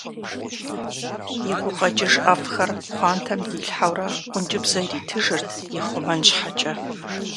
И гукъэкӏыж ӏэфӏхэр пхъуантэм дилъхьэурэ ӏункӏыбзэ иритыжырт ихъумэн щхьэкӏэ.